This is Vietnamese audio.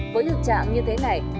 với lực trạng như thế này